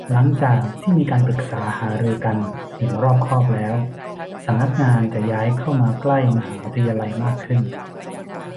หลังจากที่มีการปรึกษาหารือกันอย่างรอบคอบแล้ว สำนักงานจะย้ายเข้ามาใกล้มหาวิทยาลัยมากขึ้น